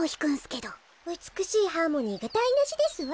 うつくしいハーモニーがだいなしですわ。